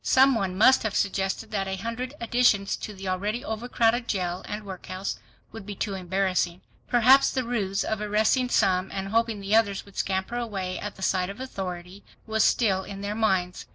Some one must have suggested that a hundred additions to the already overcrowded jail and workhouse would be too embarrassing. Perhaps the ruse of arresting some, and hoping the others would scamper away at the sight of authority, was still in their minds.